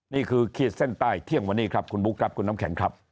ขีดเส้นใต้เที่ยงวันนี้ครับคุณบุ๊คครับคุณน้ำแข็งครับ